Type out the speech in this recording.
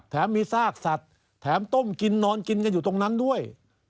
แถมมีซากสัตว์แถมต้มกินนอนกินคือตรงนั้นด้วย